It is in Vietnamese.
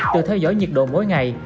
tự theo dõi nhiệt độ mỗi ngày